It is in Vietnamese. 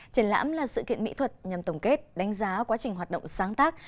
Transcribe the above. triển lãm là sự kiện mỹ thuật nhằm tổng kết đánh giá quá trình hoạt động sáng tác